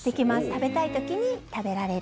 食べたい時に食べられる。